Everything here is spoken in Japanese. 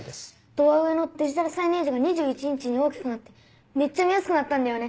ドア上のデジタルサイネージが２１インチに大きくなってめっちゃ見やすくなったんだよね。